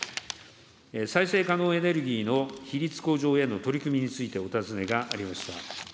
再生可能エネルギーの比率向上への取り組みについてお尋ねがありました。